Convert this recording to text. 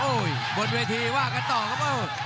โอ้ยบนเวทีว่ากันต่อครับโอ้ย